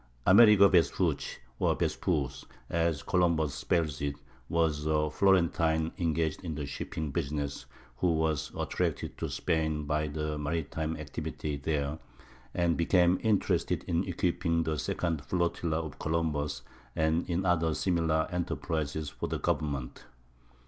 Amerigo Vespucci (or Vespusze, as Columbus spells it) was a Florentine engaged in the shipping business who was attracted to Spain by the maritime activity there, and became interested in equipping the second flotilla of Columbus and in other similar enterprises for the government.